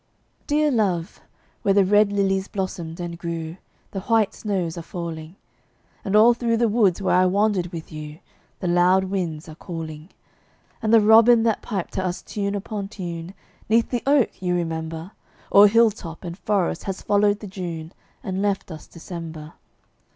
Dear Love, where the red lilies blossomed and grew The white snows are falling; And all through the woods where I wandered with you The loud winds are calling; And the robin that piped to us tune upon tune, Neath the oak, you remember, O'er hill top and forest has followed the June And left us December.